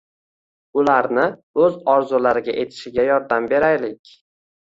Ularni o`z orzulariga etishiga yordam beraylik